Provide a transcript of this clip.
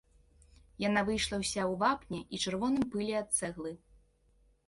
Яна выйшла ўся ў вапне і чырвоным пыле ад цэглы.